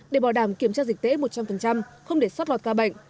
để bảo đảm kiểm tra dịch tễ một trăm linh không để sót lọt ca bệnh